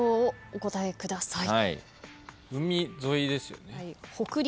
お答えください。